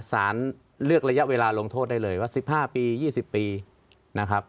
สารเลือกระยะเวลาลงโทษได้เลยว่า๑๕ปี๒๐ปีนะครับ